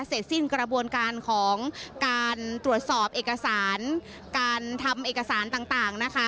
เสร็จสิ้นกระบวนการของการตรวจสอบเอกสารการทำเอกสารต่างนะคะ